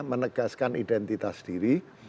menegaskan identitas diri